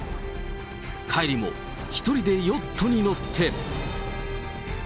帰りも１人でヨットに乗って。